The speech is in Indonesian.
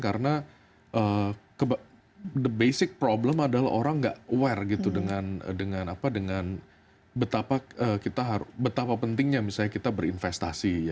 karena the basic problem adalah orang nggak aware dengan betapa pentingnya misalnya kita berinvestasi